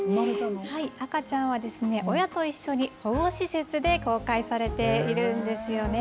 赤ちゃんは、親と一緒に保護施設で公開されているんですよね。